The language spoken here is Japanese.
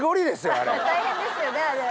大変ですよねあれ。